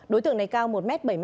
đối tượng này cao một m bảy mươi bảy